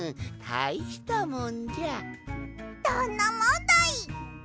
どんなもんだい！